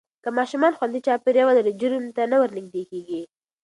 که ماشومان خوندي چاپېریال ولري، جرم ته نه ورنږدې کېږي.